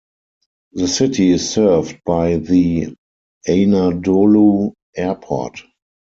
The city is served by the Anadolu Airport.